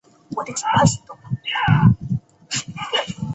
陆军军官学校第四期步科毕业。